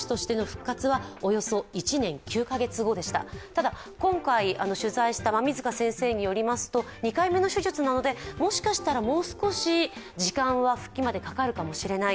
ただ、今回、取材した馬見塚先生によりますと、２回目の手術なので、もしかしたらもう少し時間は、復帰までかかるかもしれない。